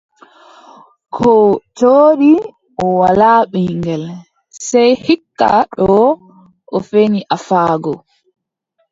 Koo jooɗi, o walaa ɓiŋngel, sey hikka doo o feni afaago.